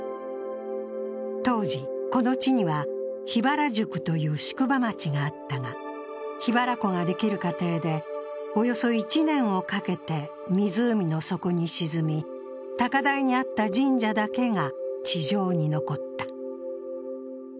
当時、この地には桧原宿という宿場町があったが桧原湖ができる過程でおよそ１年をかけて湖の底に沈み、高台にあった神社だけが地上に残った。